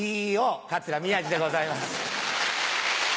桂宮治でございます。